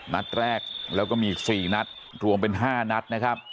นัดแรกแล้วก็มีอีก๔นัดรวมเป็น๕นัดนะครับ